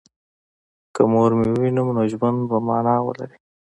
که مور مې ووینم نو ژوند به مانا ولري